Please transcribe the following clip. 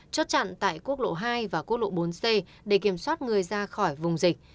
chốt chặn tại quốc lộ hai và quốc lộ bốn c để kiểm soát người ra khỏi vùng dịch